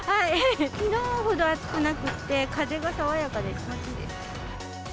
きのうほど暑くなくて、風が爽やかで気持ちいいです。